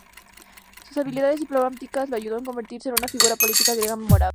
Sus habilidades diplomáticas lo ayudó en convertirse en una figura política griega memorable.